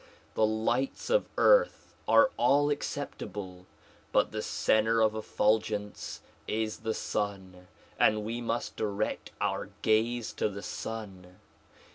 The lights of earth are all acceptable, but the center of effulgence is the sun and we must direct our gaze to the sun.